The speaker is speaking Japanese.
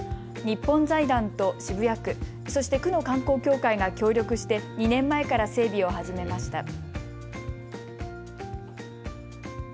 日本財団と渋谷区、そして区の観光協会が協力して２年前から整備を始めました。